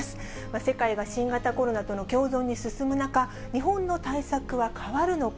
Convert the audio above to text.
世界が新型コロナとの共存に進む中、日本の対策は変わるのか。